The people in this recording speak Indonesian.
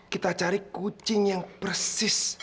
kita cari kucing yang persis